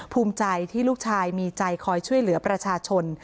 ภูมิใจที่ลูกชายมีใจคอยช่วยเหลือประชาชน